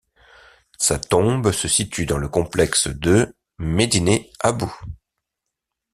Sa tombe se situe dans le complexe de Médinet Habou.